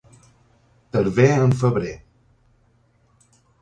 Tarver en febrer.